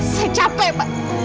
saya capek pak